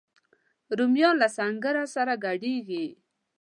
رومیان له سنګره سره ګډیږي